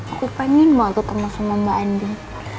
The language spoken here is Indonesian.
aku pengen banget ketemu sama mbak andin